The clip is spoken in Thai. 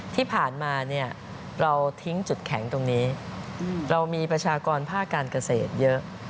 ที่ผ่านมาเนี่ยเราทิ้งจุดแข็งตรงนี้เรามีประชากรภาคการเกษตรเยอะ